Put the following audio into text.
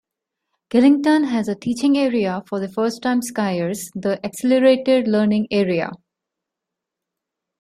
Killington has a teaching area for first-time skiers, the "Accelerated Learning Area".